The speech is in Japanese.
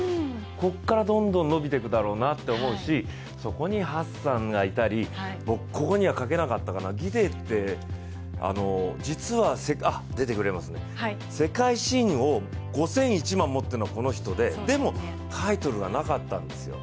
ここからどんどん伸びていくだろうなって思うしそこにハッサンがいたりここには書けなかったかなギデイって実は世界新を５０００、１００００持ってるのがこの人ででもタイトルはなかったんですよ。